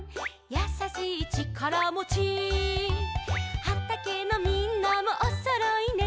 「やさしいちからもち」「はたけのみんなもおそろいね」